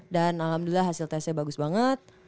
dan alhamdulillah hasil testnya bagus banget